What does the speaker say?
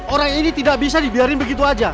orang ini tidak bisa dibiarin begitu saja